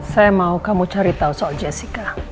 saya mau kamu cari tahu soal jessica